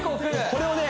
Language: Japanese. これをね